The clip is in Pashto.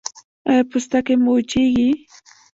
ایا پوستکی مو وچیږي؟